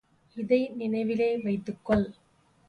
இதை நினைவிலே வைத்துக் கொள்.